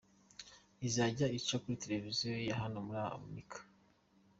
Izajya ica ku mateleviziyo ya hano muri Amerika.